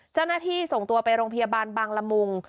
เจ้าหน้าที่ส่งตัวไปโรงพยาบาลบางละมุง